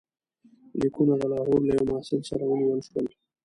لیکونه د لاهور له یوه محصل سره ونیول شول.